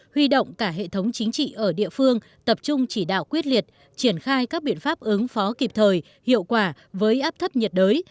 huy động cả hệ thống chính trị ở địa phương tập trung chỉ đạo quyết liệt triển khai các biện pháp ứng phó kịp thời hiệu quả với áp thấp nhiệt đới